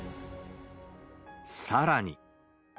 さらに。